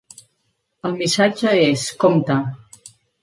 El missatge és "Compte".